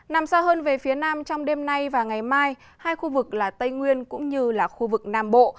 nằm xa hơn về phía nam trong đêm nay và ngày mai hai khu vực là tây nguyên cũng như là khu vực nam bộ